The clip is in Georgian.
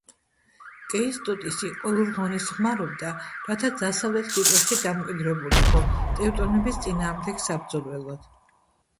კეისტუტისი ყოველ ღონეს ხმარობდა, რათა დასავლეთ ლიტვაში დამკვიდრებულიყო, ტევტონების წინააღმდეგ საბრძოლველად.